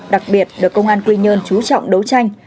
đặc biệt được công an quy nhơn trú trọng đấu tranh